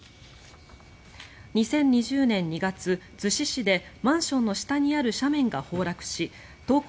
２０２０年２月、逗子市でマンションの下にある斜面が崩落し登校